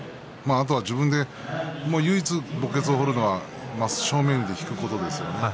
あとは自分で唯一墓穴を掘るのは正面で引くことですね。